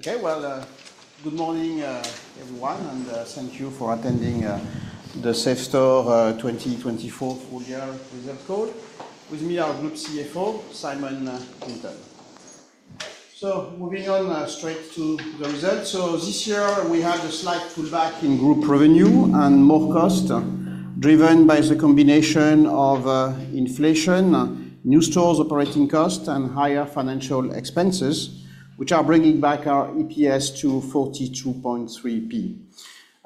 Okay, well, good morning, everyone, and thank you for attending the Safestore 2024 full-year results call. With me is the Group CFO, Simon Clinton. Moving on straight to the results. This year we had a slight pullback in group revenue and more costs, driven by the combination of inflation, new stores operating costs, and higher financial expenses, which are bringing our EPS back to 42.3p.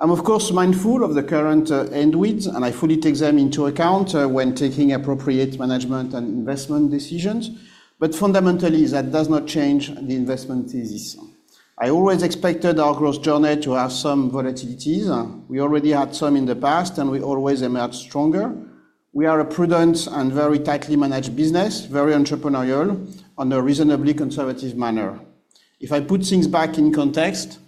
I'm, of course, mindful of the current headwinds, and I fully take them into account when taking appropriate management and investment decisions. But fundamentally, that does not change the investment thesis. I always expected our growth journey to have some volatilities. We already had some in the past, and we always emerged stronger. We are a prudent and very tightly managed business, very entrepreneurial, in a reasonably conservative manner. If I put things back in context,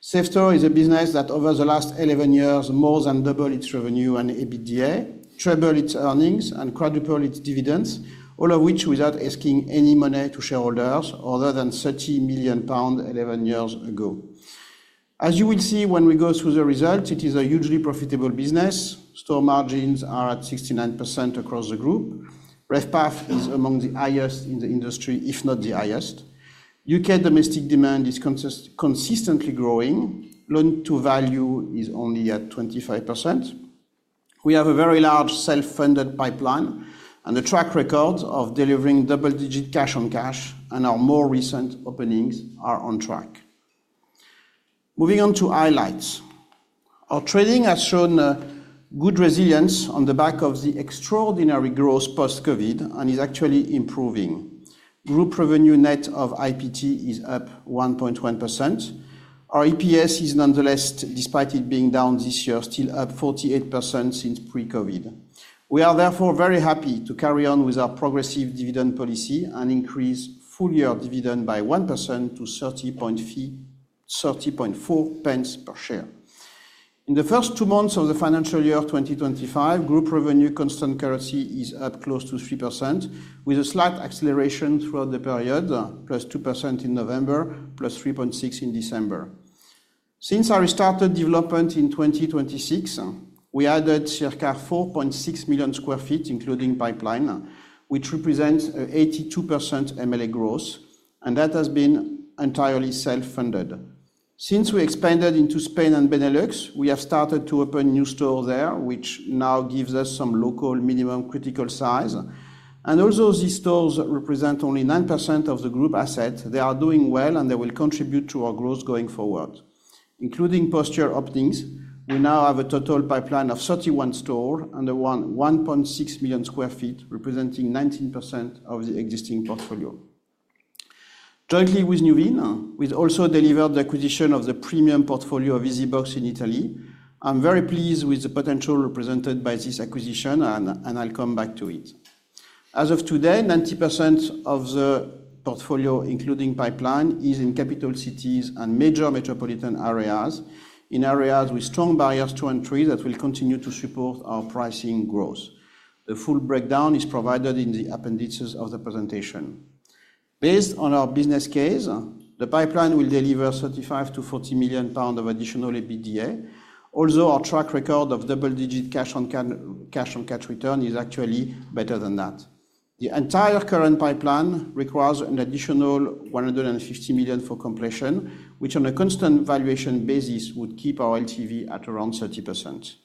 Safestore is a business that, over the last 11 years, more than doubled its revenue and EBITDA, tripled its earnings, and quadrupled its dividends, all of which without asking any money to shareholders other than 30 million pounds 11 years ago. As you will see when we go through the results, it is a hugely profitable business. Store margins are at 69% across the group. REVPAF is among the highest in the industry, if not the highest. U.K. domestic demand is consistently growing. Loan-to-value is only at 25%. We have a very large self-funded pipeline and a track record of delivering double-digit cash on cash, and our more recent openings are on track. Moving on to highlights. Our trading has shown good resilience on the back of the extraordinary growth post-COVID, and is actually improving. Group revenue net of IPT is up 1.1%. Our EPS is, nonetheless, despite it being down this year, still up 48% since pre-COVID. We are therefore very happy to carry on with our progressive dividend policy and increase full-year dividend by 1% to 0.304 per share. In the first two months of the financial year 2025, group revenue constant currency is up close to 3%, with a slight acceleration throughout the period, +2% in November, +3.6% in December. Since we started development in 2016, we added circa 4.6 million sq ft, including pipeline, which represents an 82% MLA growth, and that has been entirely self-funded. Since we expanded into Spain and Benelux, we have started to open new stores there, which now gives us some local minimum critical size. Although these stores represent only 9% of the group asset, they are doing well, and they will contribute to our growth going forward. Including future openings, we now have a total pipeline of 31 stores and 1.6 million sq ft, representing 19% of the existing portfolio. Jointly with Nuveen, we've also delivered the acquisition of the premium portfolio of EasyBox in Italy. I'm very pleased with the potential represented by this acquisition, and I'll come back to it. As of today, 90% of the portfolio, including pipeline, is in capital cities and major metropolitan areas, in areas with strong barriers to entry that will continue to support our pricing growth. The full breakdown is provided in the appendices of the presentation. Based on our business case, the pipeline will deliver 35 million-40 million pounds of additional EBITDA, although our track record of double-digit cash on cash return is actually better than that. The entire current pipeline requires an additional 150 million for completion, which, on a constant valuation basis, would keep our LTV at around 30%.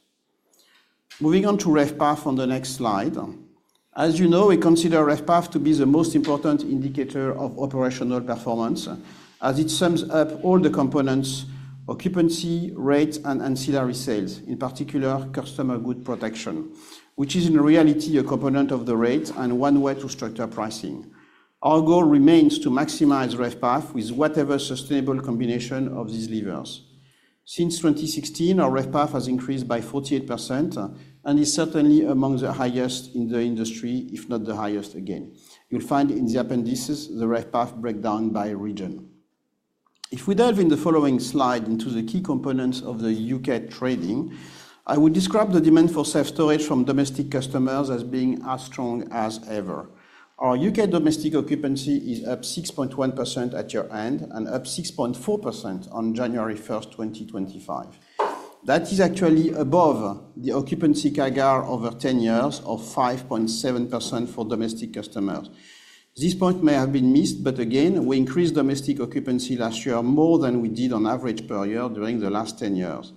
Moving on to REVPAF on the next slide. As you know, we consider REVPAF to be the most important indicator of operational performance, as it sums up all the components: occupancy, rates, and ancillary sales, in particular Customer Goods Protection, which is, in reality, a component of the rate and one way to structure pricing. Our goal remains to maximize REVPAF with whatever sustainable combination of these levers. Since 2016, our REVPAF has increased by 48% and is certainly among the highest in the industry, if not the highest again. You'll find in the appendices the REVPAF breakdown by region. If we delve into the following slide into the key components of the U.K. trading, I would describe the demand for self-storage from domestic customers as being as strong as ever. Our U.K. domestic occupancy is up 6.1% at year-end and up 6.4% on January 1st, 2025. That is actually above the occupancy CAGR over 10 years of 5.7% for domestic customers. This point may have been missed, but again, we increased domestic occupancy last year more than we did on average per year during the last 10 years.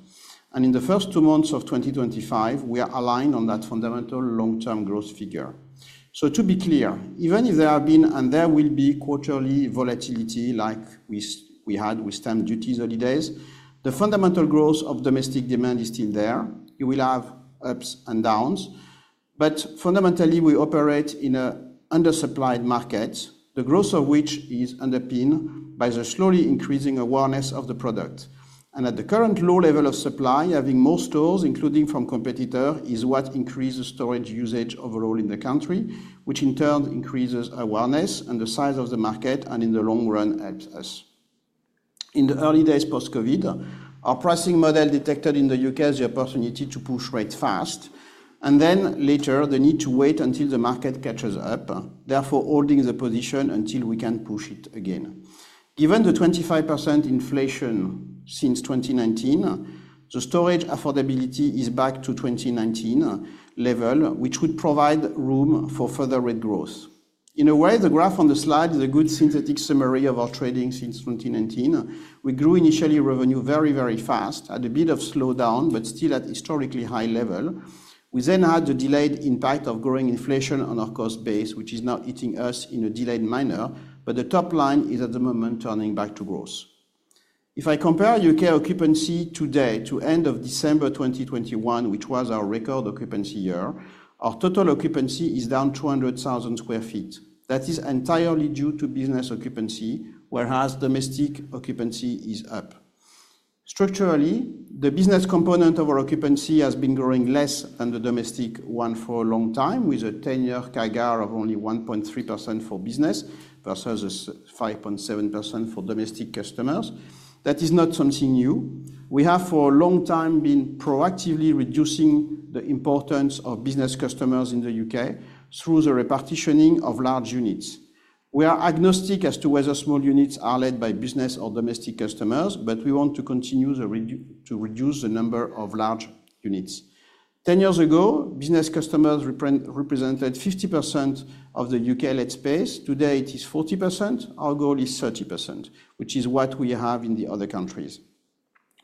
And in the first two months of 2025, we are aligned on that fundamental long-term growth figure. So, to be clear, even if there have been and there will be quarterly volatility like we had with stamp duty holidays, the fundamental growth of domestic demand is still there. You will have ups and downs, but fundamentally, we operate in an undersupplied market, the growth of which is underpinned by the slowly increasing awareness of the product, and at the current low level of supply, having more stores, including from competitors, is what increases storage usage overall in the country, which in turn increases awareness and the size of the market, and in the long run, helps us. In the early days post-COVID, our pricing model detected in the U.K. as the opportunity to push rates fast, and then later the need to wait until the market catches up, therefore holding the position until we can push it again. Given the 25% inflation since 2019, the storage affordability is back to 2019 level, which would provide room for further rate growth. In a way, the graph on the slide is a good synthetic summary of our trading since 2019. We grew initially revenue very, very fast, had a bit of slowdown, but still at historically high level. We then had the delayed impact of growing inflation on our cost base, which is now hitting us in a delayed manner, but the top line is at the moment turning back to growth. If I compare U.K. occupancy today to end of December 2021, which was our record occupancy year, our total occupancy is down 200,000 sq ft. That is entirely due to business occupancy, whereas domestic occupancy is up. Structurally, the business component of our occupancy has been growing less than the domestic one for a long time, with a 10-year CAGR of only 1.3% for business versus 5.7% for domestic customers. That is not something new. We have for a long time been proactively reducing the importance of business customers in the U.K. through the repartitioning of large units. We are agnostic as to whether small units are led by business or domestic customers, but we want to continue to reduce the number of large units. Ten years ago, business customers represented 50% of the U.K. let space. Today, it is 40%. Our goal is 30%, which is what we have in the other countries.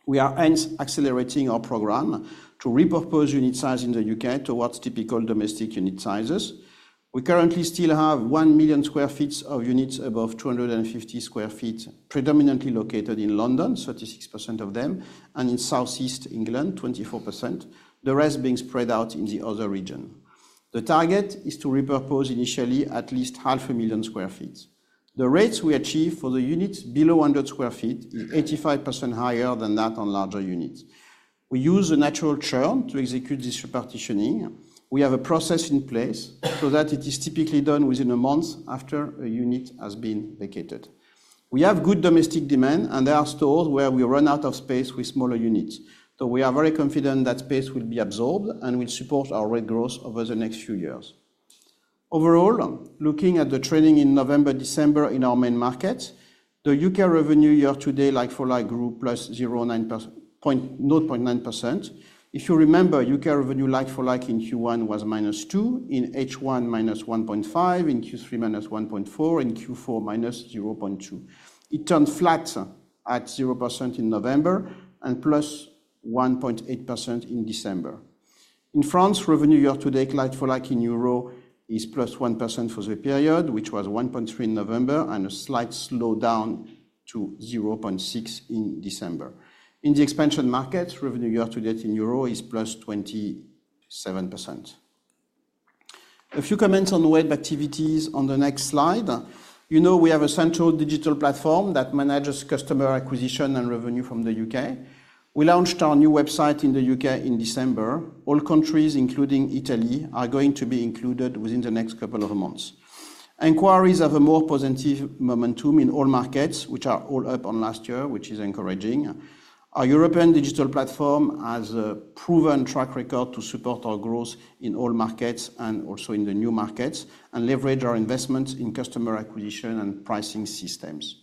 We are hence accelerating our program to repurpose unit size in the U.K. towards typical domestic unit sizes. We currently still have 1 million sq ft of units above 250 sq ft, predominantly located in London, 36% of them, and in Southeast England, 24%, the rest being spread out in the other region. The target is to repurpose initially at least 500,000 sq ft. The rates we achieve for the units below 100 sq ft is 85% higher than that on larger units. We use a natural churn to execute this repartitioning. We have a process in place so that it is typically done within a month after a unit has been vacated. We have good domestic demand, and there are stores where we run out of space with smaller units. So we are very confident that space will be absorbed and will support our rate growth over the next few years. Overall, looking at the trading in November, December in our main markets, the U.K. revenue year-to-date like-for-like grew +0.9%. If you remember, U.K. revenue like-for-like in Q1 was -2%, in H1 -1.5%, in Q3 -1.4%, in Q4 -0.2%. It turned flat at 0% in November and +1.8% in December. In France, revenue year-to-date like-for-like in euros is +1% for the period, which was 1.3% in November, and a slight slowdown to 0.6% in December. In the expansion markets, revenue year-to-date in euros is +27%. A few comments on web activities on the next slide. You know we have a central digital platform that manages customer acquisition and revenue from the U.K. We launched our new website in the U.K. in December. All countries, including Italy, are going to be included within the next couple of months. Inquiries have a more positive momentum in all markets, which are all up on last year, which is encouraging. Our European digital platform has a proven track record to support our growth in all markets and also in the new markets and leverage our investments in customer acquisition and pricing systems.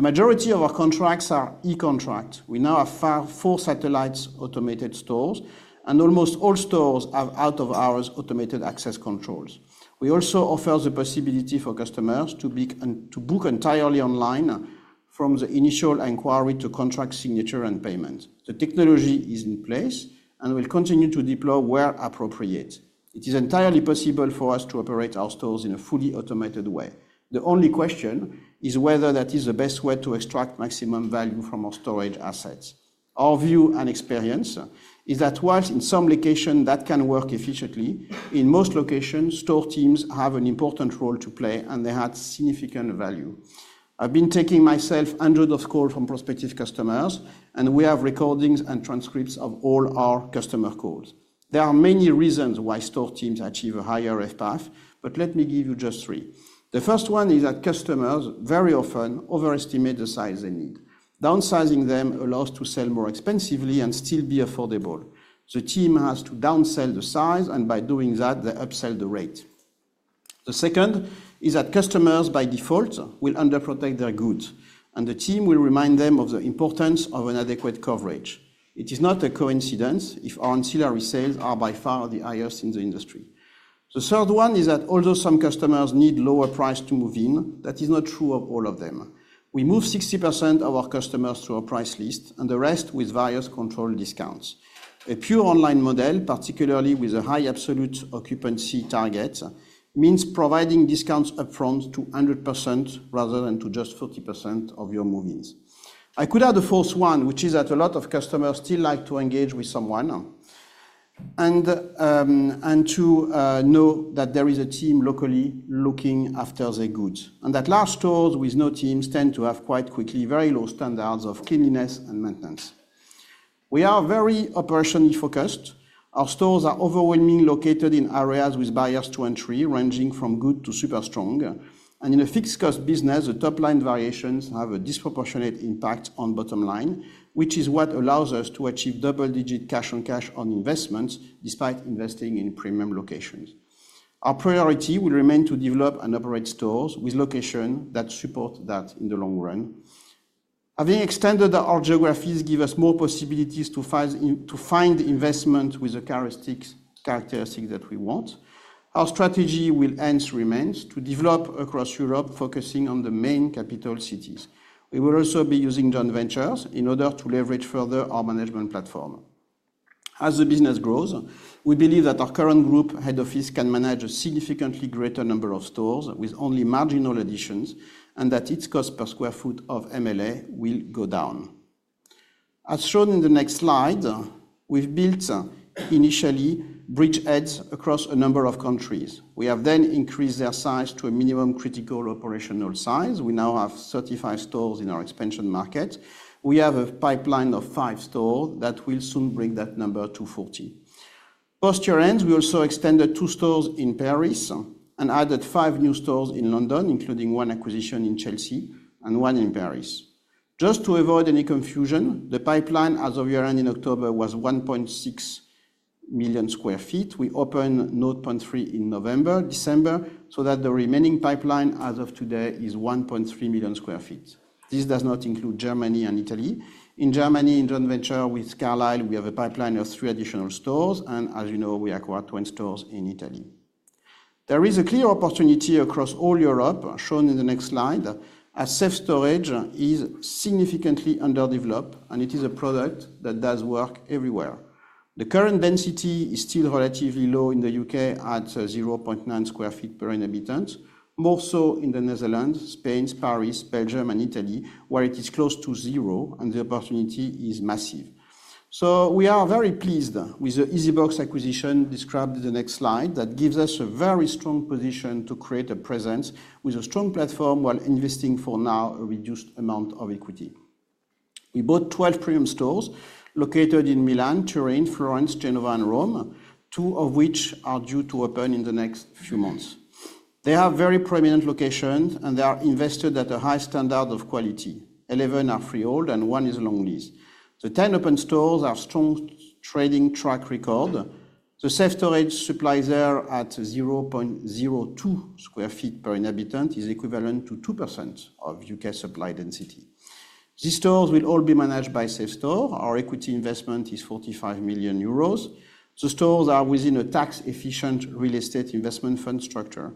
The majority of our contracts are e-contracts. We now have four satellite automated stores, and almost all stores have out-of-hours automated access controls. We also offer the possibility for customers to book entirely online from the initial inquiry to contract signature and payment. The technology is in place and will continue to deploy where appropriate. It is entirely possible for us to operate our stores in a fully automated way. The only question is whether that is the best way to extract maximum value from our storage assets. Our view and experience is that whilst in some locations that can work efficiently, in most locations, store teams have an important role to play, and they add significant value. I've been taking myself hundreds of calls from prospective customers, and we have recordings and transcripts of all our customer calls. There are many reasons why store teams achieve a higher REVPAF, but let me give you just three. The first one is that customers very often overestimate the size they need. Downsizing them allows us to sell more expensively and still be affordable. The team has to downsell the size, and by doing that, they upsell the rate. The second is that customers, by default, will underprotect their goods, and the team will remind them of the importance of an adequate coverage. It is not a coincidence if our ancillary sales are by far the highest in the industry. The third one is that although some customers need lower price to move in, that is not true of all of them. We move 60% of our customers through a price list, and the rest with various controlled discounts. A pure online model, particularly with a high absolute occupancy target, means providing discounts upfront to 100% rather than to just 40% of your move-ins. I could add the fourth one, which is that a lot of customers still like to engage with someone and to know that there is a team locally looking after their goods, and that large stores with no teams tend to have quite quickly very low standards of cleanliness and maintenance. We are very operationally focused. Our stores are overwhelmingly located in areas with barriers to entry, ranging from good to super strong, and in a fixed-cost business, the top-line variations have a disproportionate impact on bottom line, which is what allows us to achieve double-digit cash on cash on investments despite investing in premium locations. Our priority will remain to develop and operate stores with locations that support that in the long run. Having extended our geographies gives us more possibilities to find investments with the characteristics that we want. Our strategy will hence remain to develop across Europe, focusing on the main capital cities. We will also be using joint ventures in order to leverage further our management platform. As the business grows, we believe that our current group head office can manage a significantly greater number of stores with only marginal additions and that its cost per sq ft of MLA will go down. As shown in the next slide, we've built initially bridgeheads across a number of countries. We have then increased their size to a minimum critical operational size. We now have 35 stores in our expansion market. We have a pipeline of five stores that will soon bring that number to 40. Post year-ends, we also extended two stores in Paris and added five new stores in London, including one acquisition in Chelsea and one in Paris. Just to avoid any confusion, the pipeline as of year-end in October was 1.6 million sq ft. We opened 0.3 million sq ft in November, December, so that the remaining pipeline as of today is 1.3 million sq ft. This does not include Germany and Italy. In Germany, in joint venture with Carlyle, we have a pipeline of three additional stores, and as you know, we acquired 20 stores in Italy. There is a clear opportunity across all Europe, shown in the next slide, as self-storage is significantly underdeveloped, and it is a product that does work everywhere. The current density is still relatively low in the U.K. at 0.9 sq ft per inhabitant, more so in the Netherlands, Spain, Paris, Belgium, and Italy, where it is close to zero, and the opportunity is massive. So we are very pleased with the EasyBox acquisition described in the next slide that gives us a very strong position to create a presence with a strong platform while investing for now a reduced amount of equity. We bought 12 premium stores located in Milan, Turin, Florence, Genoa, and Rome, two of which are due to open in the next few months. They have very prominent locations, and they are invested at a high standard of quality. 11 are freehold, and one is long lease. The 10 open stores have strong trading track record. The self-storage supply there at 0.02 sq ft per inhabitant is equivalent to 2% of U.K. supply density. These stores will all be managed by Safestore. Our equity investment is 45 million euros. The stores are within a tax-efficient real estate investment fund structure.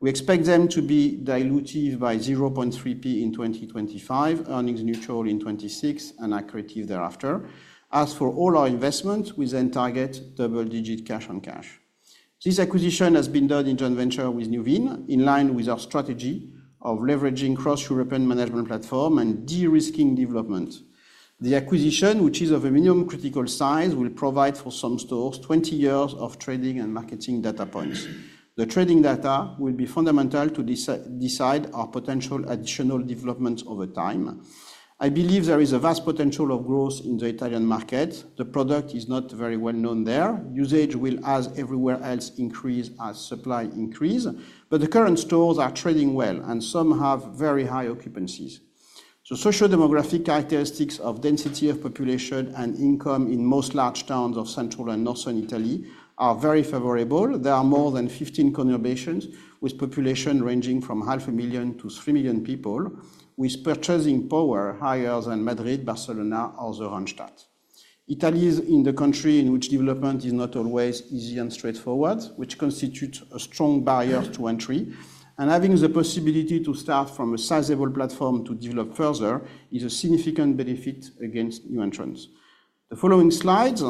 We expect them to be diluted by 0.3% in 2025, earnings neutral in 2026, and accretive thereafter. As for all our investments, we then target double-digit cash on cash. This acquisition has been done in joint venture with Nuveen, in line with our strategy of leveraging cross-European management platform and de-risking development. The acquisition, which is of a minimum critical size, will provide for some stores 20 years of trading and marketing data points. The trading data will be fundamental to decide our potential additional developments over time. I believe there is a vast potential of growth in the Italian market. The product is not very well known there. Usage will, as everywhere else, increase as supply increases, but the current stores are trading well, and some have very high occupancies. The sociodemographic characteristics of density of population and income in most large towns of central and northern Italy are very favorable. There are more than 15 conurbations with population ranging from 500,000 to 3 million people, with purchasing power higher than Madrid, Barcelona, or the Randstad. Italy is the country in which development is not always easy and straightforward, which constitutes a strong barrier to entry, and having the possibility to start from a sizable platform to develop further is a significant benefit against new entrants. The following slides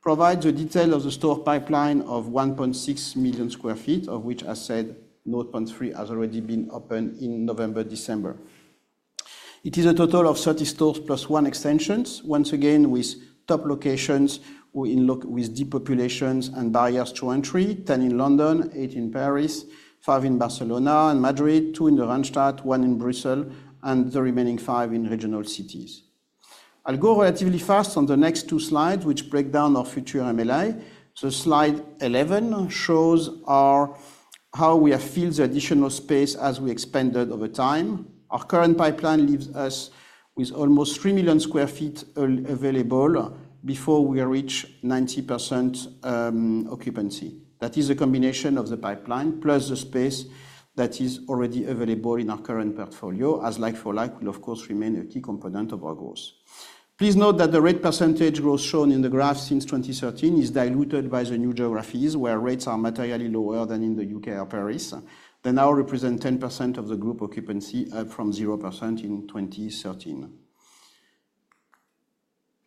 provide the detail of the store pipeline of 1.6 million sq ft, of which, as said, 0.3 million sq ft has already been opened in November, December. It is a total of 30 stores plus one extension, once again with top locations with dense populations and barriers to entry, 10 in London, eight in Paris, five in Barcelona and Madrid, two in the Randstad, one in Brussels, and the remaining five in regional cities. I'll go relatively fast on the next two slides, which break down our future MLA. So slide 11 shows how we have filled the additional space as we expanded over time. Our current pipeline leaves us with almost three million sq ft available before we reach 90% occupancy. That is a combination of the pipeline plus the space that is already available in our current portfolio, as like-for-like will, of course, remain a key component of our growth. Please note that the rate percentage growth shown in the graph since 2013 is diluted by the new geographies, where rates are materially lower than in the U.K. or Paris. They now represent 10% of the group occupancy up from 0% in 2013.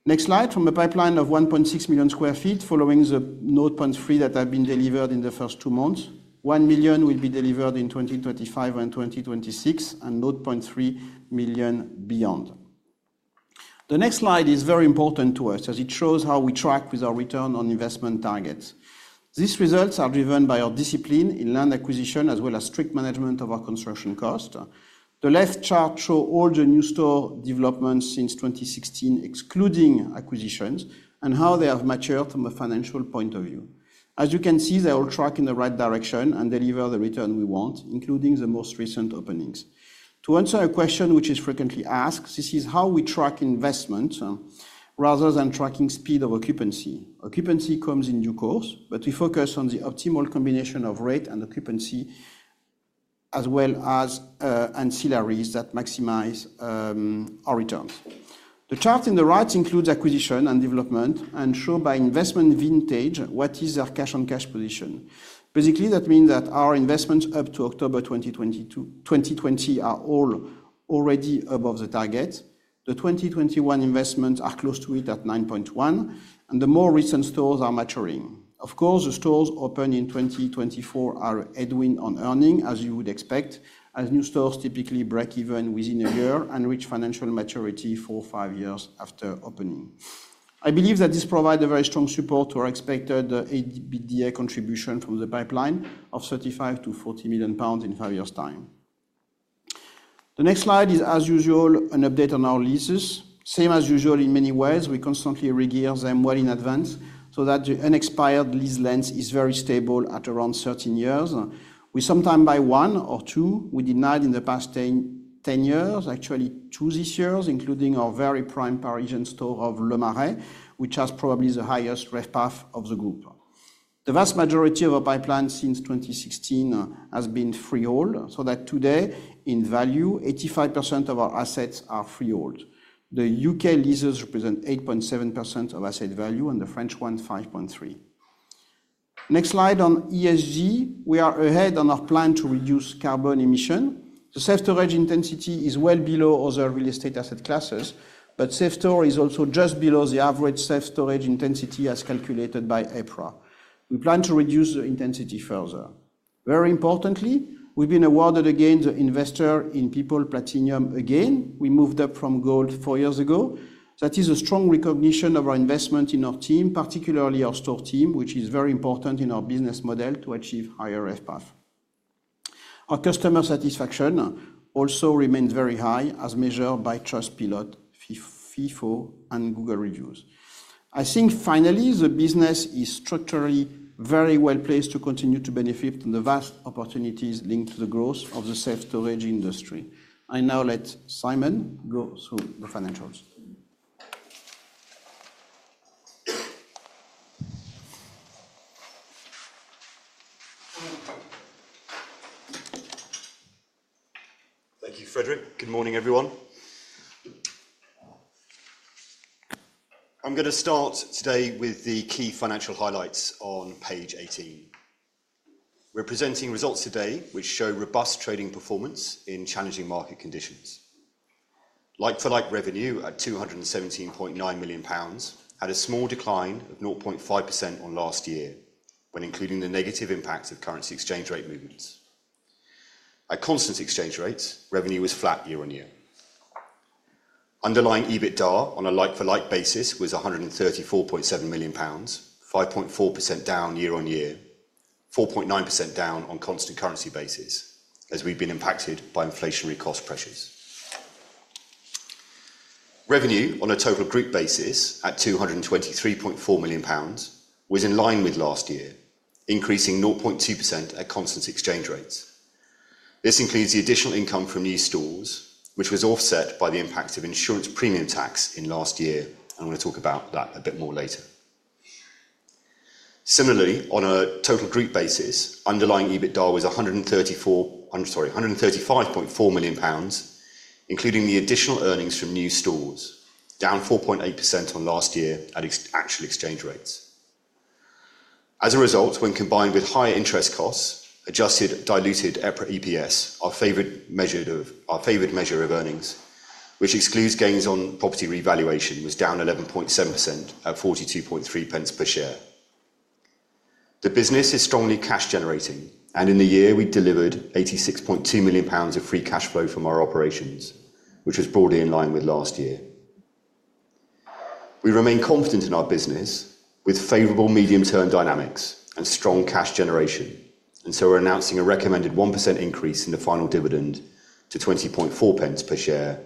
Next slide. From a pipeline of 1.6 million sq ft, following the 0.3 million sq ft that have been delivered in the first two months, 1 million sq ft will be delivered in 2025 and 2026, and 0.3 million sq ft beyond. The next slide is very important to us as it shows how we track with our return on investment targets. These results are driven by our discipline in land acquisition as well as strict management of our construction cost. The left chart shows all the new store developments since 2016, excluding acquisitions, and how they have matured from a financial point of view. As you can see, they all track in the right direction and deliver the return we want, including the most recent openings. To answer a question which is frequently asked, this is how we track investment rather than tracking speed of occupancy. Occupancy comes in due course, but we focus on the optimal combination of rate and occupancy as well as ancillaries that maximize our returns. The chart on the right includes acquisition and development and shows by investment vintage what is our cash-on-cash position. Basically, that means that our investments up to October 2020 are all already above the target. The 2021 investments are close to it at 9.1, and the more recent stores are maturing. Of course, the stores opened in 2024 are headwinds on earnings, as you would expect, as new stores typically break even within a year and reach financial maturity four or five years after opening. I believe that this provides a very strong support to our expected EBITDA contribution from the pipeline of 35 million-40 million pounds in five years' time. The next slide is, as usual, an update on our leases. Same as usual in many ways, we constantly regear them well in advance so that the unexpired lease length is very stable at around 13 years. We sometimes buy one or two. We did not in the past 10 years, actually two this year, including our very prime Parisian store of Le Marais, which has probably the highest REVPAF of the group. The vast majority of our pipeline since 2016 has been freehold, so that today, in value, 85% of our assets are freehold. The U.K. leases represent 8.7% of asset value, and the French ones 5.3%. Next slide on ESG. We are ahead on our plan to reduce carbon emission. The self-storage intensity is well below other real estate asset classes, but Safestore is also just below the average self-storage intensity as calculated by EPRA. We plan to reduce the intensity further. Very importantly, we've been awarded again the Investors in People Platinum. We moved up from Gold four years ago. That is a strong recognition of our investment in our team, particularly our store team, which is very important in our business model to achieve higher REVPAF. Our customer satisfaction also remains very high, as measured by Trustpilot, Feefo, and Google reviews. I think finally the business is structurally very well placed to continue to benefit from the vast opportunities linked to the growth of the self-storage industry. I now let Simon go through the financials. Thank you, Frederic. Good morning, everyone. I'm going to start today with the key financial highlights on page 18. We're presenting results today, which show robust trading performance in challenging market conditions. Like-for-like revenue at 217.9 million pounds had a small decline of 0.5% on last year when including the negative impact of currency exchange rate movements. At constant exchange rates, revenue was flat year on year. Underlying EBITDA on a like-for-like basis was 134.7 million pounds, 5.4% down year-on-year, 4.9% down on constant currency basis, as we've been impacted by inflationary cost pressures. Revenue on a total group basis at 223.4 million pounds was in line with last year, increasing 0.2% at constant exchange rates. This includes the additional income from new stores, which was offset by the impact of Insurance Premium Tax in last year. I'm going to talk about that a bit more later. Similarly, on a total group basis, underlying EBITDA was 135.4 million pounds, including the additional earnings from new stores, down 4.8% on last year at actual exchange rates. As a result, when combined with higher interest costs, adjusted diluted EPRA EPS, our favorite measure of earnings, which excludes gains on property revaluation, was down 11.7% at 42.30 pence per share. The business is strongly cash-generating, and in the year, we delivered 86.2 million pounds of free cash flow from our operations, which was broadly in line with last year. We remain confident in our business with favorable medium-term dynamics and strong cash generation, and so we're announcing a recommended 1% increase in the final dividend to 20.40 pence per share,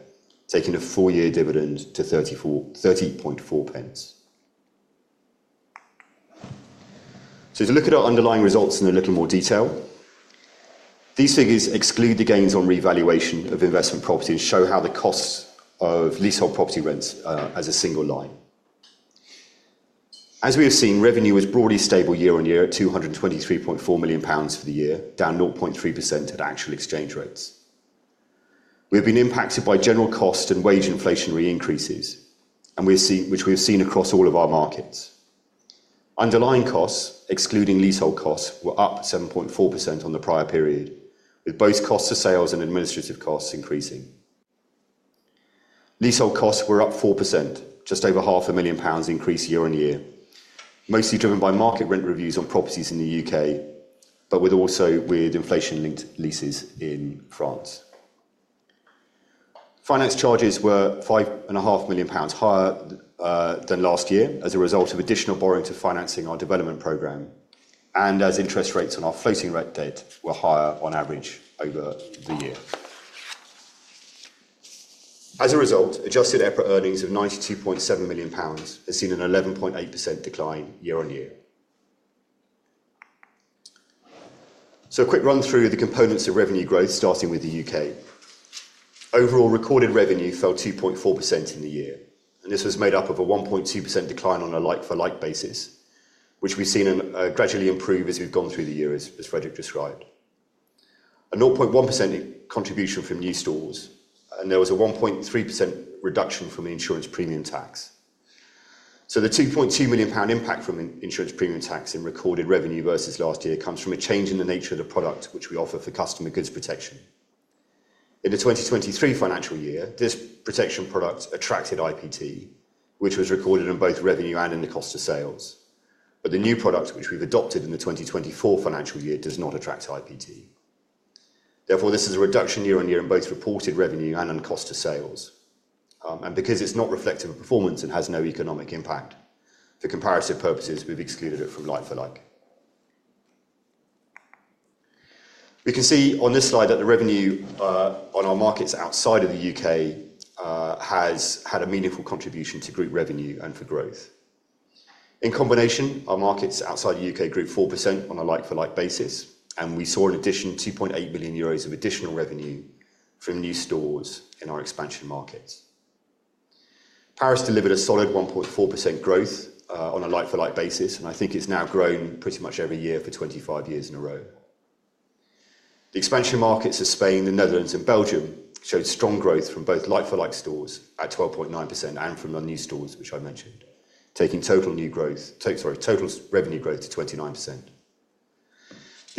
taking a four-year dividend to 30.40 pence. So to look at our underlying results in a little more detail, these figures exclude the gains on revaluation of investment property and show how the costs of leasehold property rents as a single line. As we have seen, revenue was broadly stable year on year at 223.4 million pounds for the year, down 0.3% at actual exchange rates. We have been impacted by general cost and wage inflationary increases, which we have seen across all of our markets. Underlying costs, excluding leasehold costs, were up 7.4% on the prior period, with both costs of sales and administrative costs increasing. Leasehold costs were up 4%, just over 500,000 pounds increase year-on-year, mostly driven by market rent reviews on properties in the U.K., but also with inflation-linked leases in France. Finance charges were 5.5 million pounds higher than last year as a result of additional borrowing to financing our development program, and as interest rates on our floating rate debt were higher on average over the year. As a result, adjusted EPRA earnings of GBP 92.7 million has seen an 11.8% decline year-on-year, so a quick run through the components of revenue growth, starting with the U.K. Overall recorded revenue fell 2.4% in the year, and this was made up of a 1.2% decline on a like-for-like basis, which we've seen gradually improve as we've gone through the year, as Frederic described. A 0.1% contribution from new stores, and there was a 1.3% reduction from the Insurance Premium Tax. So the 2.2 million pound impact from Insurance Premium Tax in recorded revenue versus last year comes from a change in the nature of the product which we offer for Customer Goods Protection. In the 2023 financial year, this protection product attracted IPT, which was recorded in both revenue and in the cost of sales, but the new product which we've adopted in the 2024 financial year does not attract IPT. Therefore, this is a reduction year on year in both reported revenue and in cost of sales, and because it's not reflective of performance and has no economic impact, for comparative purposes, we've excluded it from like-for-like. We can see on this slide that the revenue on our markets outside of the U.K. has had a meaningful contribution to group revenue and for growth. In combination, our markets outside the U.K. grew 4% on a like-for-like basis, and we saw, in addition, 2.8 million euros of additional revenue from new stores in our expansion markets. Paris delivered a solid 1.4% growth on a like-for-like basis, and I think it's now grown pretty much every year for 25 years in a row. The expansion markets of Spain, the Netherlands, and Belgium showed strong growth from both like-for-like stores at 12.9% and from our new stores, which I mentioned, taking total revenue growth to 29%.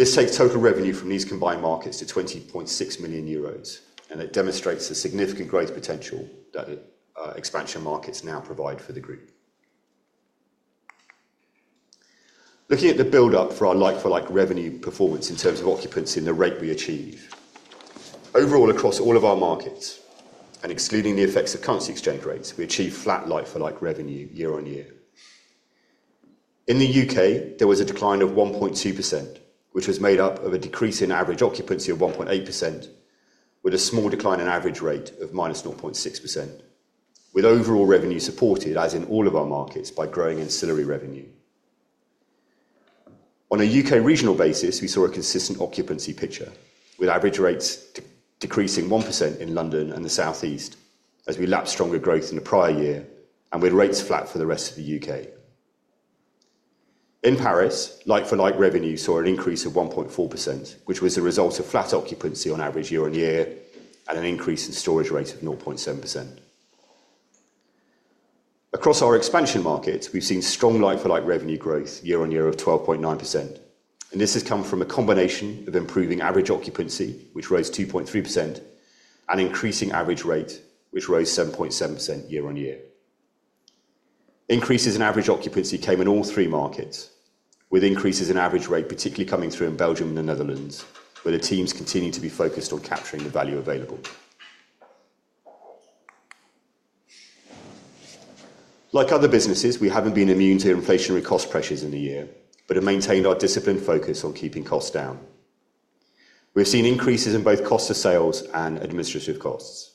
This takes total revenue from these combined markets to 20.6 million euros, and it demonstrates the significant growth potential that expansion markets now provide for the group. Looking at the build-up for our like-for-like revenue performance in terms of occupancy and the rate we achieve, overall across all of our markets, and excluding the effects of currency exchange rates, we achieve flat like-for-like revenue year on year. In the U.K., there was a decline of 1.2%, which was made up of a decrease in average occupancy of 1.8%, with a small decline in average rate of minus 0.6%, with overall revenue supported, as in all of our markets, by growing ancillary revenue. On a U.K. regional basis, we saw a consistent occupancy picture, with average rates decreasing 1% in London and the Southeast, as we lapped stronger growth in the prior year, and with rates flat for the rest of the U.K. In Paris, like-for-like revenue saw an increase of 1.4%, which was the result of flat occupancy on average year on year and an increase in storage rate of 0.7%. Across our expansion markets, we've seen strong like-for-like revenue growth year on year of 12.9%, and this has come from a combination of improving average occupancy, which rose 2.3%, and increasing average rate, which rose 7.7% year-on-year. Increases in average occupancy came in all three markets, with increases in average rate particularly coming through in Belgium and the Netherlands, where the teams continue to be focused on capturing the value available. Like other businesses, we haven't been immune to inflationary cost pressures in the year but have maintained our disciplined focus on keeping costs down. We've seen increases in both cost of sales and administrative costs.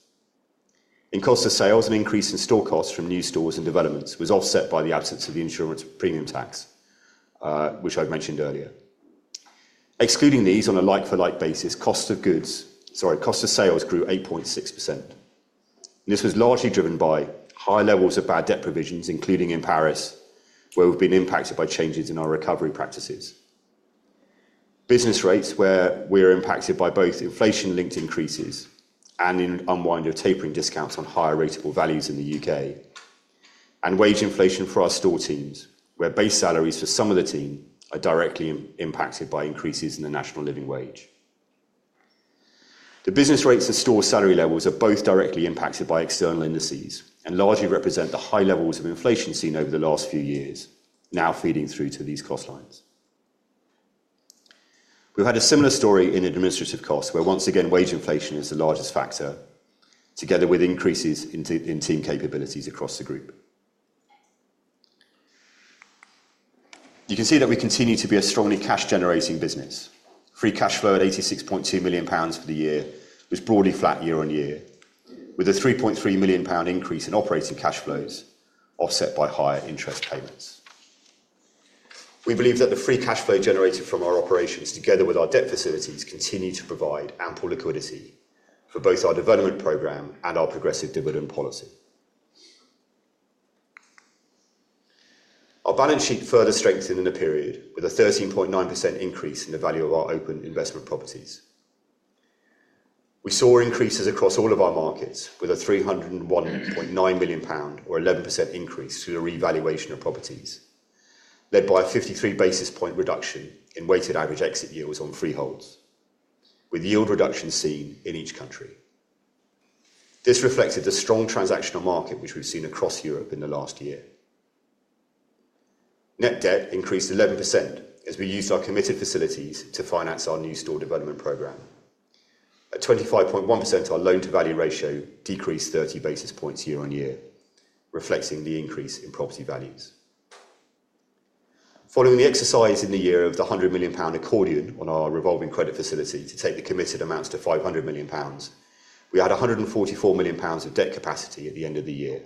In cost of sales, an increase in store costs from new stores and developments was offset by the absence of the Insurance Premium Tax, which I've mentioned earlier. Excluding these on a like-for-like basis, cost of goods, sorry, cost of sales grew 8.6%. This was largely driven by high levels of bad debt provisions, including in Paris, where we've been impacted by changes in our recovery practices. Business rates, where we are impacted by both inflation-linked increases and in unwind of tapering discounts on higher ratable values in the U.K., and wage inflation for our store teams, where base salaries for some of the team are directly impacted by increases in the National Living Wage. The business rates and store salary levels are both directly impacted by external indices and largely represent the high levels of inflation seen over the last few years, now feeding through to these cost lines. We've had a similar story in administrative costs, where once again wage inflation is the largest factor, together with increases in team capabilities across the group. You can see that we continue to be a strongly cash-generating business. Free cash flow at 86.2 million pounds for the year was broadly flat year on year, with a 3.3 million pound increase in operating cash flows offset by higher interest payments. We believe that the free cash flow generated from our operations, together with our debt facilities, continue to provide ample liquidity for both our development program and our progressive dividend policy. Our balance sheet further strengthened in the period with a 13.9% increase in the value of our open investment properties. We saw increases across all of our markets with a 301.9 million pound, or 11% increase through the revaluation of properties, led by a 53 basis point reduction in weighted average exit yields on freeholds, with yield reductions seen in each country. This reflected the strong transactional market which we've seen across Europe in the last year. Net debt increased 11% as we used our committed facilities to finance our new store development program. At 25.1%, our loan-to-value ratio decreased 30 basis points year on year, reflecting the increase in property values. Following the exercise in the year of the 100 million pound accordion on our revolving credit facility to take the committed amounts to 500 million pounds, we had 144 million pounds of debt capacity at the end of the year.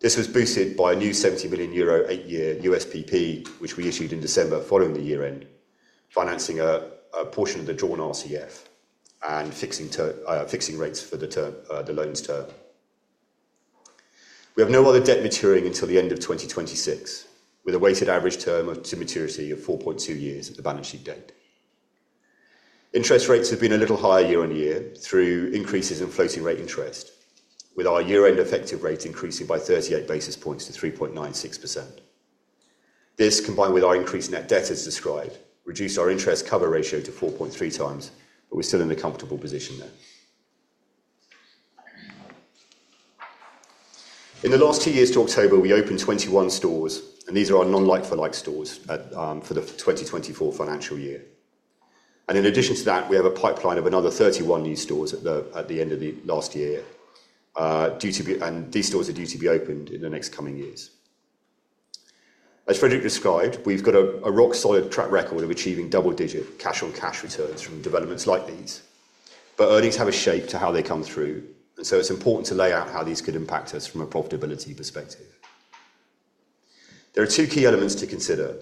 This was boosted by a new 70 million euro eight-year USPP, which we issued in December following the year-end, financing a portion of the drawn RCF and fixing rates for the loan term. We have no other debt maturing until the end of 2026, with a weighted average term to maturity of 4.2 years at the balance sheet date. Interest rates have been a little higher year on year through increases in floating rate interest, with our year-end effective rate increasing by 38 basis points to 3.96%. This, combined with our increased net debt, as described, reduced our interest cover ratio to 4.3x, but we're still in a comfortable position there. In the last two years to October, we opened 21 stores, and these are our non-like-for-like stores for the 2024 financial year. And in addition to that, we have a pipeline of another 31 new stores at the end of last year, and these stores are due to be opened in the next coming years. As Frederic described, we've got a rock-solid track record of achieving double-digit cash-on-cash returns from developments like these, but earnings have a shape to how they come through, and so it's important to lay out how these could impact us from a profitability perspective. There are two key elements to consider.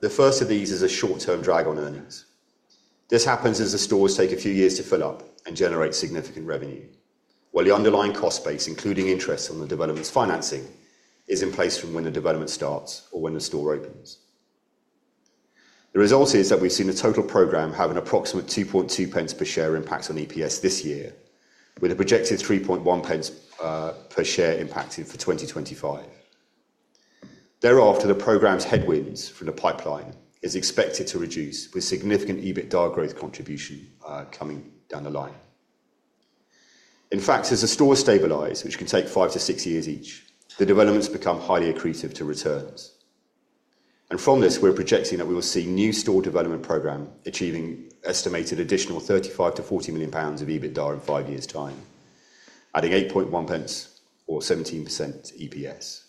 The first of these is a short-term drag on earnings. This happens as the stores take a few years to fill up and generate significant revenue, while the underlying cost base, including interest on the development's financing, is in place from when the development starts or when the store opens. The result is that we've seen the total program have an approximate 2.2 pence per share impact on EPS this year, with a projected 3.1 pence per share impacted for 2025. Thereafter, the program's headwinds from the pipeline are expected to reduce with significant EBITDA growth contribution coming down the line. In fact, as the stores stabilize, which can take five to six years each, the developments become highly accretive to returns. And from this, we're projecting that we will see a new store development program achieving estimated additional 35 million-40 million pounds of EBITDA in five years' time, adding 8.1 pence or 17% EPS.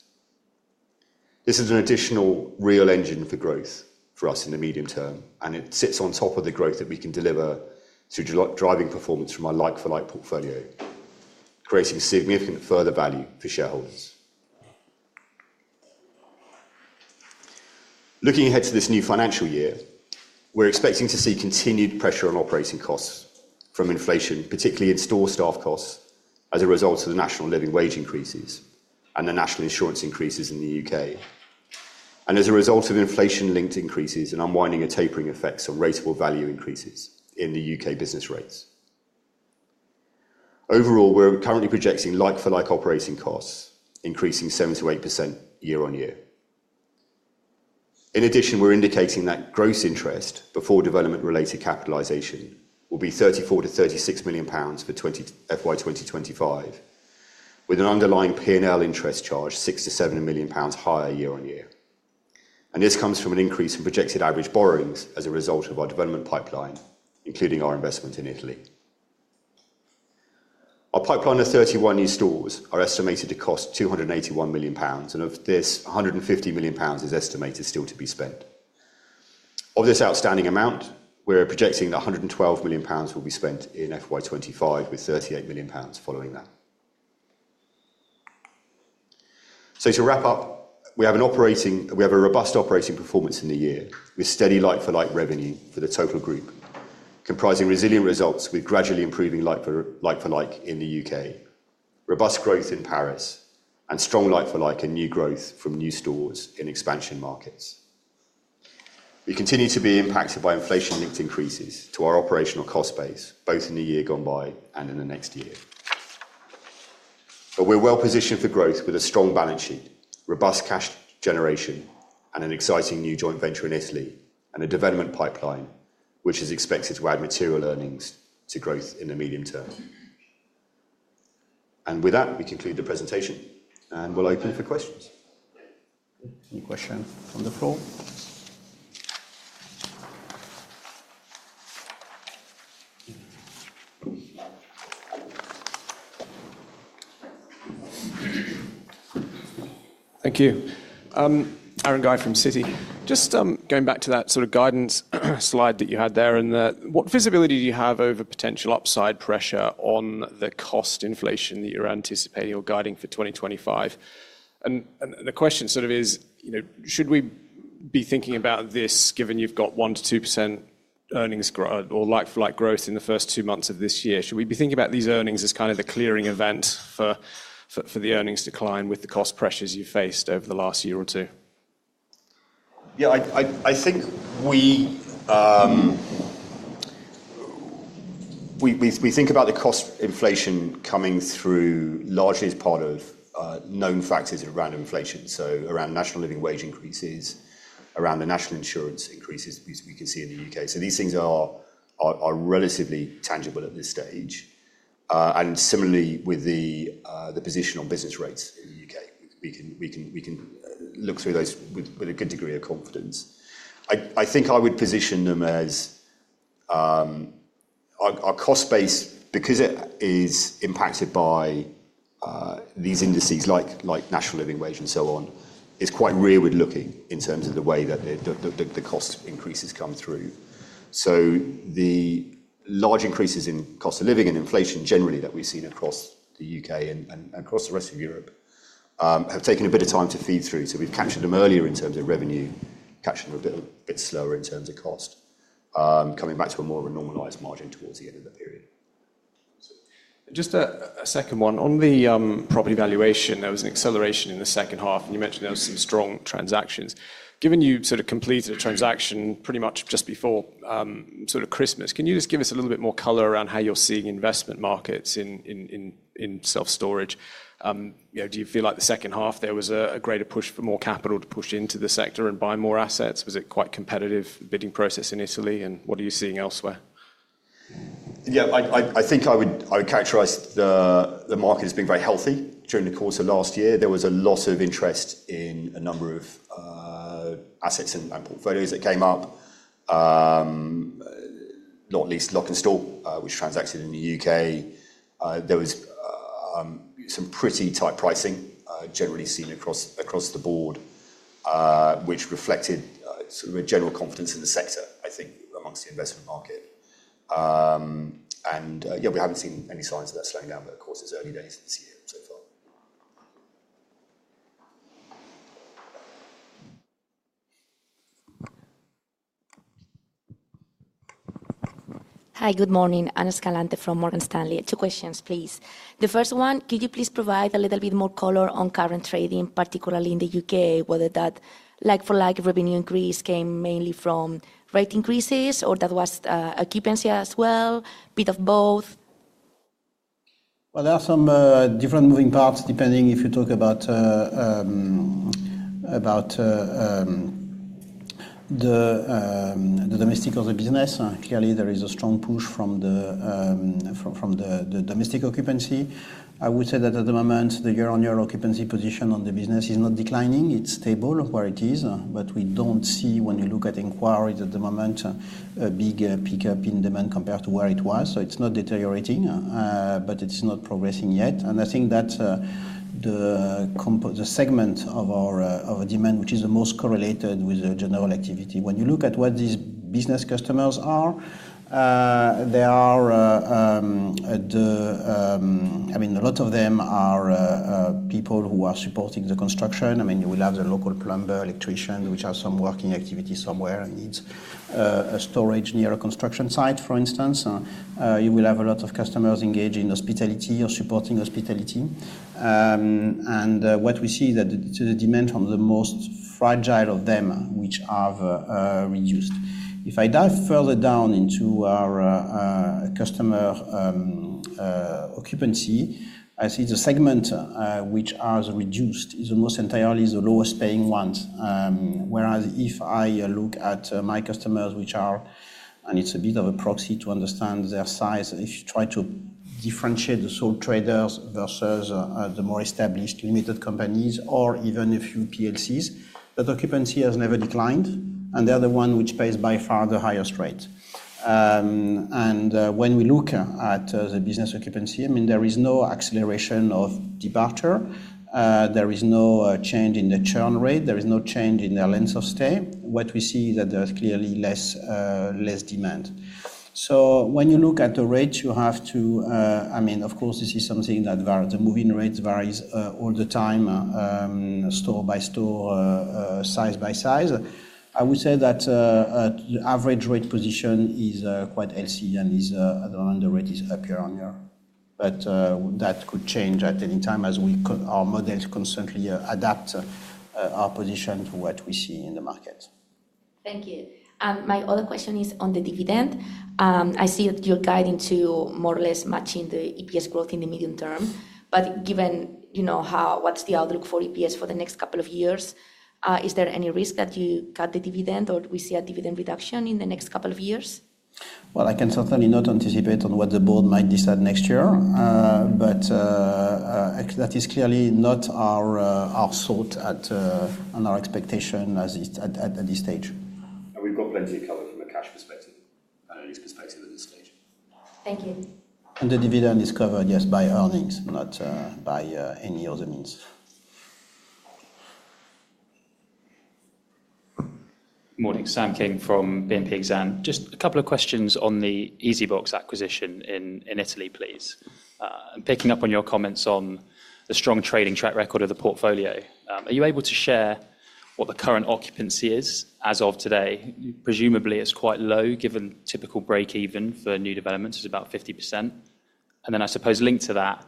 This is an additional real engine for growth for us in the medium term, and it sits on top of the growth that we can deliver through driving performance from our like-for-like portfolio, creating significant further value for shareholders. Looking ahead to this new financial year, we're expecting to see continued pressure on operating costs from inflation, particularly in store staff costs, as a result of the National Living Wage increases and the National Insurance increases in the U.K., and as a result of inflation-linked increases and unwinding of tapering effects on ratable value increases in the U.K. business rates. Overall, we're currently projecting Like-for-Like operating costs increasing 7%-8% year on year. In addition, we're indicating that gross interest before development-related capitalization will be 34 million-36 million pounds for FY 2025, with an underlying P&L interest charge 6 million-7 million pounds higher year-on-year. And this comes from an increase in projected average borrowings as a result of our development pipeline, including our investment in Italy. Our pipeline of 31 new stores is estimated to cost 281 million pounds, and of this, 150 million pounds is estimated still to be spent. Of this outstanding amount, we're projecting that 112 million pounds will be spent in FY 2025, with 38 million pounds following that. So to wrap up, we have a robust operating performance in the year with steady like-for-like revenue for the total group, comprising resilient results with gradually improving like-for-like in the U.K., robust growth in Paris, and strong like-for-like and new growth from new stores in expansion markets. We continue to be impacted by inflation-linked increases to our operational cost base, both in the year gone by and in the next year. But we're well positioned for growth with a strong balance sheet, robust cash generation, and an exciting new joint venture in Italy and a development pipeline which is expected to add material earnings to growth in the medium term. And with that, we conclude the presentation, and we'll open for questions. Any questions from the floor? Thank you. Aaron Guy from Citi. Just going back to that sort of guidance slide that you had there and what visibility do you have over potential upside pressure on the cost inflation that you're anticipating or guiding for 2025? And the question sort of is, should we be thinking about this, given you've got 1%-2% earnings or like-for-like growth in the first two months of this year? Should we be thinking about these earnings as kind of the clearing event for the earnings decline with the cost pressures you've faced over the last year or two? Yeah, I think we think about the cost inflation coming through largely as part of known factors around inflation, so around National Living Wage increases, around the National Insurance increases we can see in the U.K. So these things are relatively tangible at this stage. And similarly, with the position on business rates in the U.K., we can look through those with a good degree of confidence. I think I would position them as our cost base, because it is impacted by these indices like National Living Wage and so on, is quite rearward-looking in terms of the way that the cost increases come through. So the large increases in cost of living and inflation generally that we've seen across the U.K. and across the rest of Europe have taken a bit of time to feed through. So we've captured them earlier in terms of revenue, captured them a bit slower in terms of cost, coming back to a more normalized margin towards the end of the period. Just a second one. On the property valuation, there was an acceleration in the second half, and you mentioned there were some strong transactions. Given you sort of completed a transaction pretty much just before sort of Christmas, can you just give us a little bit more color around how you're seeing investment markets in self-storage? Do you feel like the second half there was a greater push for more capital to push into the sector and buy more assets? Was it quite a competitive bidding process in Italy? And what are you seeing elsewhere? Yeah, I think I would characterize the market as being very healthy during the course of last year. There was a lot of interest in a number of assets and portfolios that came up, not least Lok'nStore, which transacted in the U.K. There was some pretty tight pricing generally seen across the board, which reflected sort of a general confidence in the sector, I think, amongst the investment market. And yeah, we haven't seen any signs of that slowing down, but of course, it's early days this year so far. Hi, good morning. [Anousska Kapur] from Morgan Stanley. Two questions, please. The first one, could you please provide a little bit more color on current trading, particularly in the U.K., whether that like-for-like revenue increase came mainly from rate increases or that was occupancy as well, a bit of both? Well, there are some different moving parts depending if you talk about the domestic of the business. Clearly, there is a strong push from the domestic occupancy. I would say that at the moment, the year-on-year occupancy position on the business is not declining. It's stable where it is, but we don't see, when you look at inquiries at the moment, a big pickup in demand compared to where it was. So it's not deteriorating, but it's not progressing yet. I think that the segment of our demand, which is the most correlated with the general activity, when you look at what these business customers are, there are, I mean, a lot of them are people who are supporting the construction. I mean, you will have the local plumber, electrician, which has some working activity somewhere and needs storage near a construction site, for instance. You will have a lot of customers engaged in hospitality or supporting hospitality. And what we see is that the demand from the most fragile of them, which have reduced. If I dive further down into our customer occupancy, I see the segment which has reduced is almost entirely the lowest paying ones. Whereas if I look at my customers, which are, and it's a bit of a proxy to understand their size, if you try to differentiate the sole traders versus the more established limited companies or even a few PLCs, that occupancy has never declined, and they're the one which pays by far the highest rate. And when we look at the business occupancy, I mean, there is no acceleration of departure. There is no change in the churn rate. There is no change in their length of stay. What we see is that there is clearly less demand. So when you look at the rates, you have to, I mean, of course, this is something that the moving rates vary all the time, store by store, size by size. I would say that the average rate position is quite healthy and is around the rate is up year-on-year. But that could change at any time as our models constantly adapt our position to what we see in the market. Thank you. My other question is on the dividend. I see that you're guiding to more or less matching the EPS growth in the medium term, but given what's the outlook for EPS for the next couple of years, is there any risk that you cut the dividend or we see a dividend reduction in the next couple of years? Well, I can certainly not anticipate on what the board might decide next year, but that is clearly not our thought and our expectation at this stage. We've got plenty of cover from a cash perspective and earnings perspective at this stage. Thank you. And the dividend is covered, yes, by earnings, not by any other means. Morning, Sam King from BNP Exane. Just a couple of questions on the EasyBox acquisition in Italy, please. Picking up on your comments on the strong trading track record of the portfolio, are you able to share what the current occupancy is as of today? Presumably, it's quite low given typical break-even for new developments. It's about 50%. And then I suppose linked to that,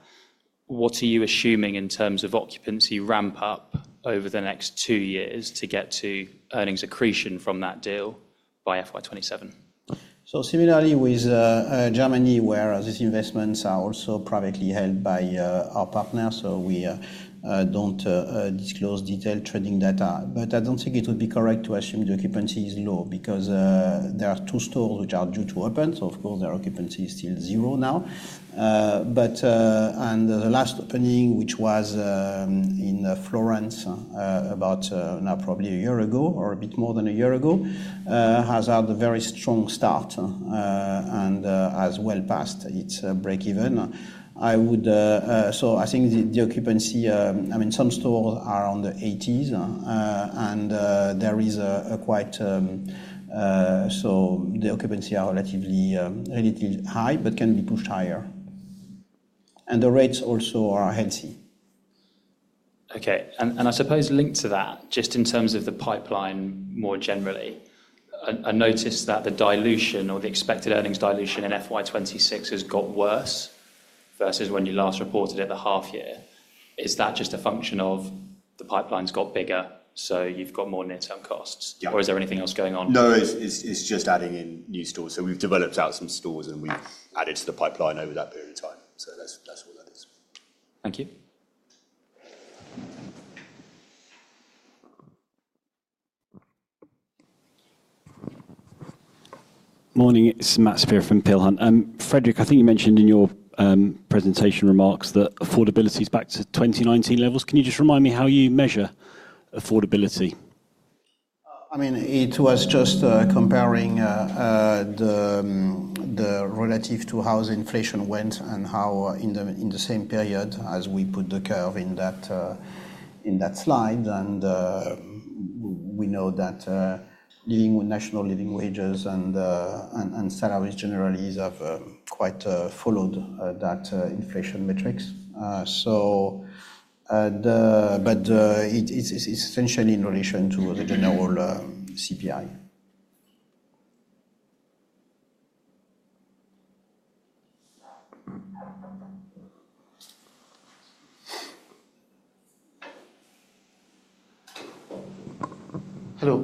what are you assuming in terms of occupancy ramp-up over the next two years to get to earnings accretion from that deal by FY 2027? So similarly with Germany, whereas these investments are also privately held by our partners, so we don't disclose detailed trading data, but I don't think it would be correct to assume the occupancy is low because there are two stores which are due to open. So of course, their occupancy is still zero now. The last opening, which was in Florence about now probably a year ago or a bit more than a year ago, has had a very strong start and has well passed its break-even. I think the occupancy, I mean, some stores are in the 80s and there is a quite so the occupancy are relatively high, but can be pushed higher. The rates also are healthy. Okay. I suppose linked to that, just in terms of the pipeline more generally, I noticed that the dilution or the expected earnings dilution in FY 2026 has got worse versus when you last reported it the half year. Is that just a function of the pipeline's got bigger, so you've got more near-term costs? Or is there anything else going on? No, it's just adding in new stores. So we've developed out some stores and we've added to the pipeline over that period of time. So that's all that is. Thank you. Morning, it's Matt Saperia from Peel Hunt. Frederic, I think you mentioned in your presentation remarks that affordability is back to 2019 levels. Can you just remind me how you measure affordability? I mean, it was just comparing the relative to how the inflation went and how in the same period as we put the curve in that slide. And we know that National Living Wage and salaries generally have quite followed that inflation metrics. But it's essentially in relation to the general CPI. Hello,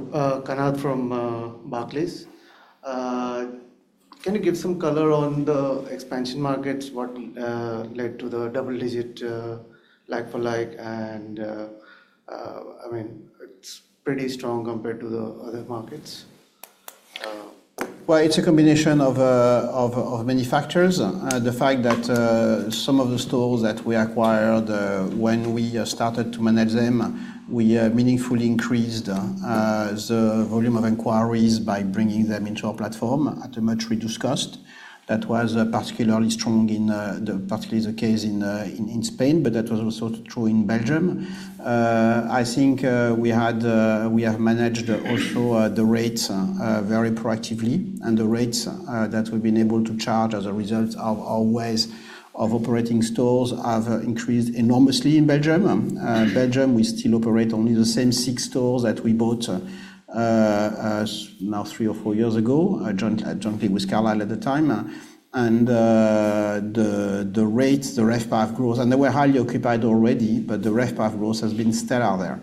[Bernard] from Barclays. Can you give some color on the expansion markets, what led to the double-digit like-for-like? And I mean, it's pretty strong compared to the other markets. Well, it's a combination of many factors. The fact that some of the stores that we acquired, when we started to manage them, we meaningfully increased the volume of inquiries by bringing them into our platform at a much reduced cost. That was particularly strong in the case in Spain, but that was also true in Belgium. I think we have managed also the rates very proactively, and the rates that we've been able to charge as a result of our ways of operating stores have increased enormously in Belgium. Belgium, we still operate only the same six stores that we bought now three or four years ago, jointly with Carlyle at the time. And the rates, the REVPAF growth, and they were highly occupied already, but the REVPAF growth has been stellar there.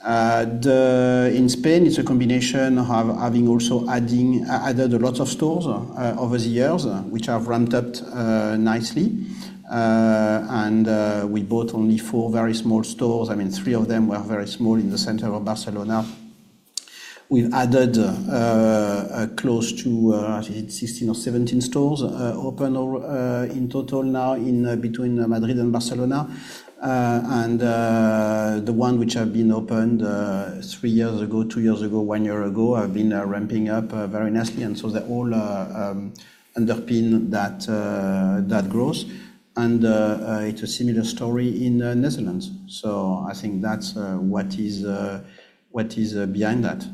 In Spain, it's a combination of having also added a lot of stores over the years, which have ramped up nicely. And we bought only four very small stores. I mean, three of them were very small in the center of Barcelona. We've added close to, I think, 16 or 17 stores open in total now between Madrid and Barcelona. And the one which has been opened three years ago, two years ago, one year ago, have been ramping up very nicely. And so they all underpin that growth. And it's a similar story in the Netherlands. So I think that's what is behind that.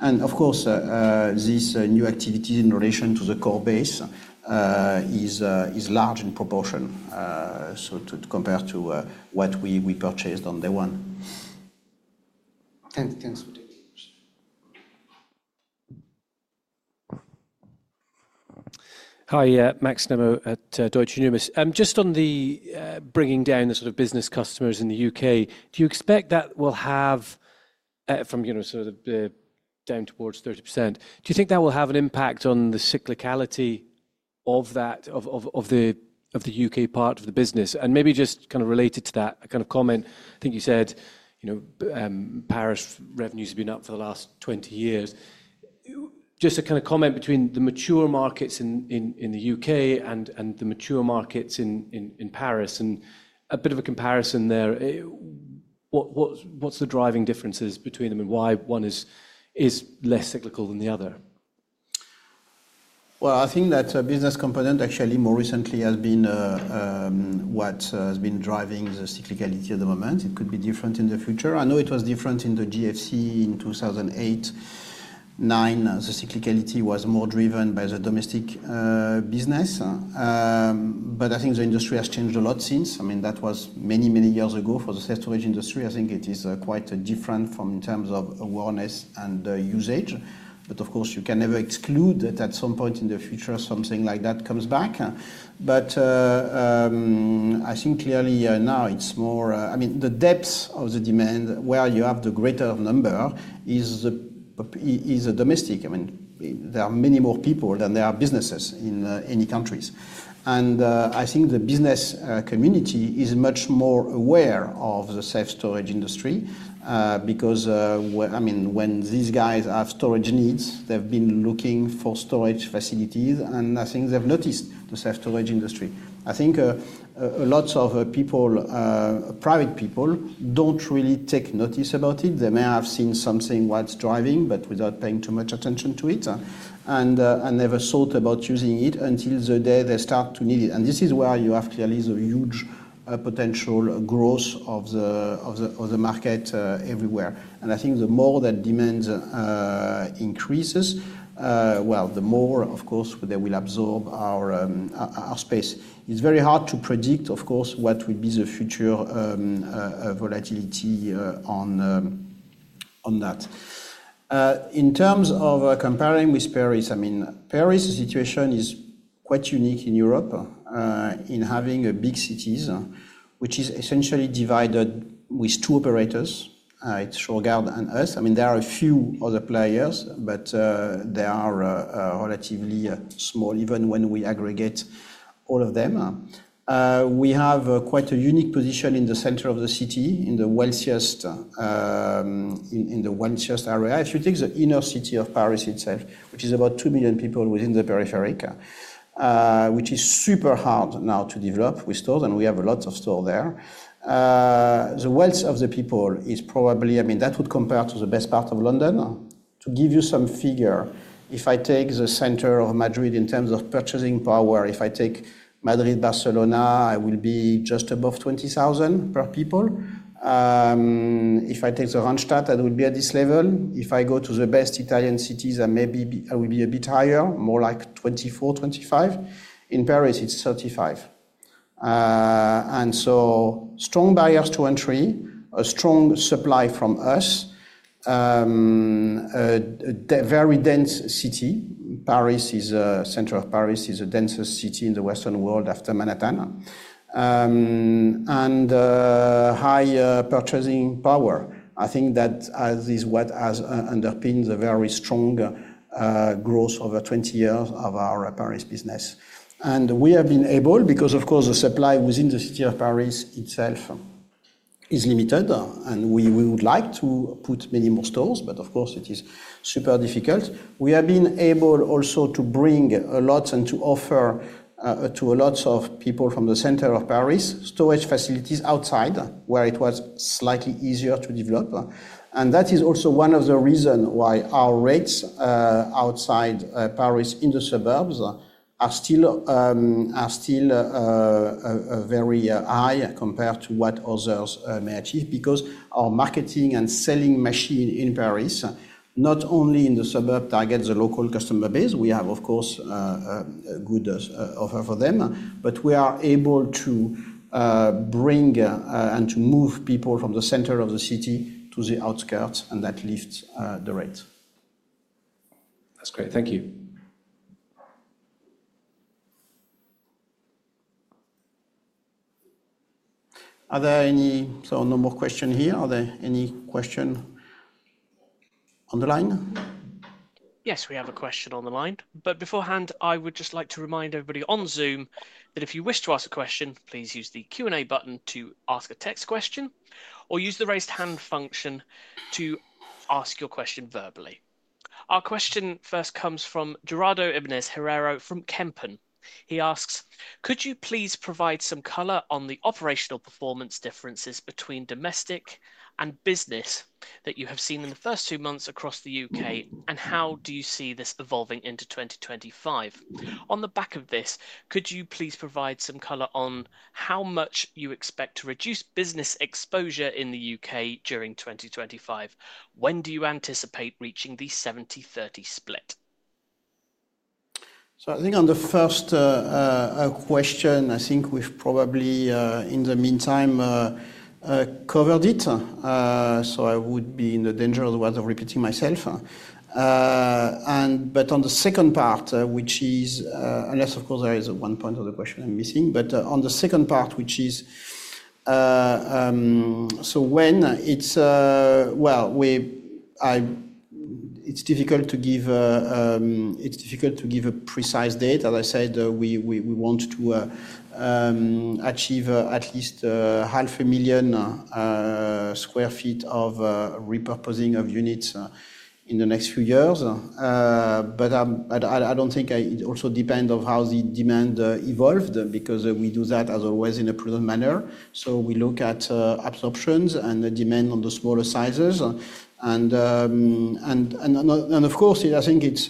And of course, this new activity in relation to the core base is large in proportion compared to what we purchased on day one. Thanks for taking the question. Hi, Max Nimmo at Deutsche Numis. Just on the bringing down the sort of business customers in the U.K., do you expect that will have from sort of down towards 30%, do you think that will have an impact on the cyclicality of the U.K. part of the business? And maybe just kind of related to that, a kind of comment. I think you said Paris revenues have been up for the last 20 years. Just a kind of comment between the mature markets in the U.K. and the mature markets in Paris, and a bit of a comparison there. What's the driving differences between them and why one is less cyclical than the other? Well, I think that business component actually more recently has been what has been driving the cyclicality at the moment. It could be different in the future. I know it was different in the GFC in 2008, 2009, as the cyclicality was more driven by the domestic business. But I think the industry has changed a lot since. I mean, that was many, many years ago for the self-storage industry. I think it is quite different from in terms of awareness and usage. But of course, you can never exclude that at some point in the future, something like that comes back. But I think clearly now it's more, I mean, the depth of the demand where you have the greater number is domestic. I mean, there are many more people than there are businesses in any countries. And I think the business community is much more aware of the self-storage industry because, I mean, when these guys have storage needs, they've been looking for storage facilities, and I think they've noticed the self-storage industry. I think lots of private people don't really take notice about it. They may have seen something what's driving, but without paying too much attention to it and never thought about using it until the day they start to need it. And this is where you have clearly the huge potential growth of the market everywhere. And I think the more that demand increases, well, the more, of course, they will absorb our space. It's very hard to predict, of course, what would be the future volatility on that. In terms of comparing with Paris, I mean, Paris situation is quite unique in Europe in having big cities, which is essentially divided with two operators, it's Shurgard and us. I mean, there are a few other players, but they are relatively small even when we aggregate all of them. We have quite a unique position in the center of the city, in the wealthiest area. If you take the inner city of Paris itself, which is about 2 million people within the periphery, which is super hard now to develop with stores, and we have lots of stores there. The wealth of the people is probably, I mean, that would compare to the best part of London. To give you some figure, if I take the center of Madrid in terms of purchasing power, if I take Madrid, Barcelona, I will be just above 20,000 per people. If I take the Randstad, that would be at this level. If I go to the best Italian cities, I maybe I will be a bit higher, more like 24, 25. In Paris, it's 35. And so strong barriers to entry, a strong supply from us, a very dense city. The center of Paris is a denser city in the Western world after Manhattan and high purchasing power. I think that is what has underpinned the very strong growth over 20 years of our Paris business, and we have been able, because of course, the supply within the city of Paris itself is limited, and we would like to put many more stores, but of course, it is super difficult. We have been able also to bring a lot and to offer to lots of people from the center of Paris storage facilities outside where it was slightly easier to develop, and that is also one of the reasons why our rates outside Paris in the suburbs are still very high compared to what others may achieve because our marketing and selling machine in Paris, not only in the suburbs targets the local customer base. We have, of course, a good offer for them, but we are able to bring and to move people from the center of the city to the outskirts, and that lifts the rates. That's great. Thank you. Are there any number of questions here? Are there any questions on the line? Yes, we have a question on the line. But beforehand, I would just like to remind everybody on Zoom that if you wish to ask a question, please use the Q&A button to ask a text question or use the raised hand function to ask your question verbally. Our question first comes from Gerardo Ibañez Herrero from Kempen. He asks, "Could you please provide some color on the operational performance differences between domestic and business that you have seen in the first two months across the U.K., and how do you see this evolving into 2025? On the back of this, could you please provide some color on how much you expect to reduce business exposure in the U.K. during 2025? When do you anticipate reaching the 70/30 split? So I think on the first question, I think we've probably in the meantime covered it. So I would be in the danger of repeating myself. But on the second part, which is unless, of course, there is one point of the question I'm missing. But on the second part, which is so when it's well, it's difficult to give a precise date. As I said, we want to achieve at least 500,000 sq ft of repurposing of units in the next few years. But I don't think it also depends on how the demand evolved because we do that as always in a prudent manner. We look at absorptions and the demand on the smaller sizes. And of course, I think it's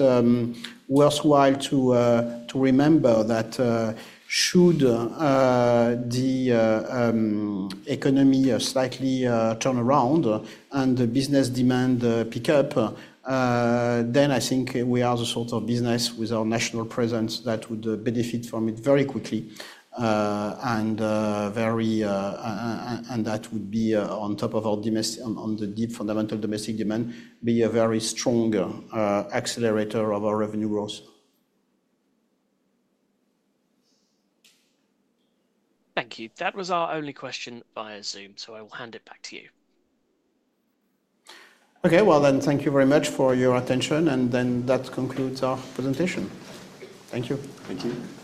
worthwhile to remember that should the economy slightly turn around and the business demand pick up, then I think we are the sort of business with our national presence that would benefit from it very quickly. And that would be on top of our deep fundamental domestic demand, be a very strong accelerator of our revenue growth. Thank you. That was our only question via Zoom. So I will hand it back to you. Okay. Well, then thank you very much for your attention. And then that concludes our presentation. Thank you. Thank you.